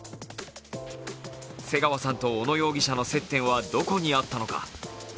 瀬川さんと小野容疑者の接点はどこにあったのか。